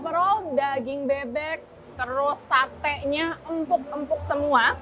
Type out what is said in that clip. overall daging bebek terus sate nya empuk empuk semua